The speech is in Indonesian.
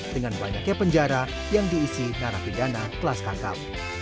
dengan banyaknya penjara yang diisi narakidana kelas kakak